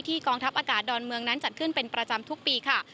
กองทัพอากาศดอนเมืองนั้นจัดขึ้นเป็นประจำทุกปีค่ะ